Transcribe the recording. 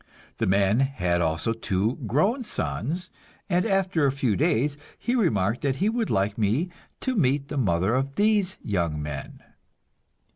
The man had also two grown sons, and after a few days he remarked that he would like me to meet the mother of these young men.